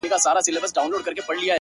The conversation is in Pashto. • کله کله مي را وګرځي په زړه کي ,